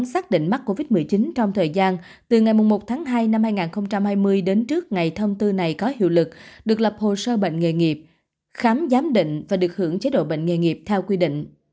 xác định mắc covid một mươi chín trong thời gian từ ngày một tháng hai năm hai nghìn hai mươi đến trước ngày thông tư này có hiệu lực được lập hồ sơ bệnh nghề nghiệp khám giám định và được hưởng chế độ bệnh nghề nghiệp theo quy định